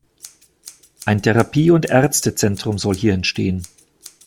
Ein Therapie- und Ärztezentrum soll hier entstehen.